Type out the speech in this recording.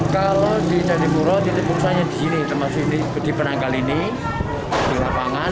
kalau di jatimuro titik urusannya di sini termasuk di penanggal ini di lapangan